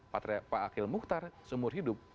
pak akhil mukhtar seumur hidup